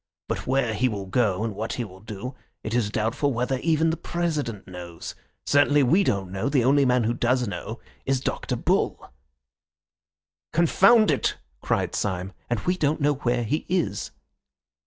But where he will go and what he will do it is doubtful whether even the President knows; certainly we don't know. The only man who does know is Dr. Bull." "Confound it!" cried Syme. "And we don't know where he is."